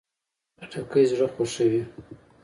خټکی زړه خوښوي.